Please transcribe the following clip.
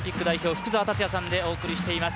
福澤達哉さんでお送りしています。